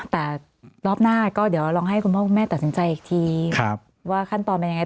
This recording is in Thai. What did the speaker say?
แต่รอบหน้าก็เดี๋ยวลองให้คุณพ่อคุณแม่ตัดสินใจอีกทีว่าขั้นตอนเป็นยังไง